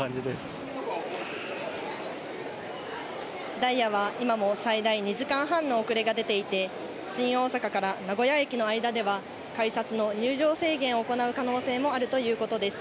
ダイヤは今も最大２時間半の遅れが出ていて、新大阪から名古屋駅の間では改札の入場制限を行う可能性もあるということです。